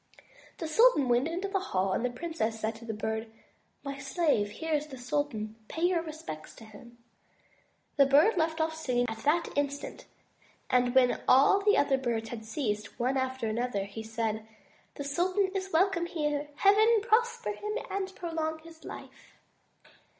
'* The sultan went into the hall, and the princess said to the Bird, "My slave, here is the sultan; pay your respects to him." The Bird left off singing that instant and when all the other birds had ceased one after another, he said: *'The sultan is welcome here. Heaven prosper him, and prolong his life.''